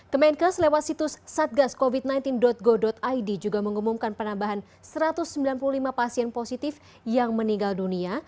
kemenkes lewat situs satgascovid sembilan belas go id juga mengumumkan penambahan satu ratus sembilan puluh lima pasien positif yang meninggal dunia